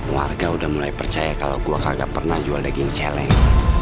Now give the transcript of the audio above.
warga udah mulai percaya kalau gue kagak pernah jual daging celeng